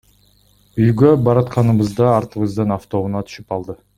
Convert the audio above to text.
Үйгө баратканыбызда артыбыздан автоунаа түшүп алды.